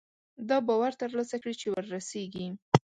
دا باور ترلاسه کړي چې وررسېږي.